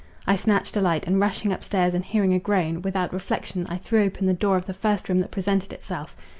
I snatched a light, and rushing up stairs, and hearing a groan, without reflection I threw open the door of the first room that presented itself.